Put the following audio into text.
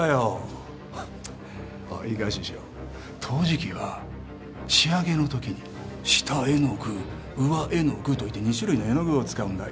陶磁器は仕上げのときに下絵の具上絵の具といって２種類の絵の具を使うんだ。